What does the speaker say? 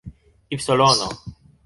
ipsilono